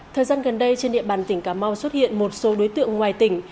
thời gian gần đây trên địa bàn tỉnh cà mau xuất hiện một số đối tượng ngoài tỉnh